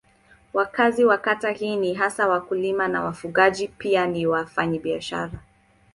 Wakazi wa kata hii ni hasa wakulima na wafugaji pia ni wafanyabiashara.